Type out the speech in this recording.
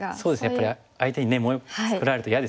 やっぱり相手にね模様作られると嫌ですよね。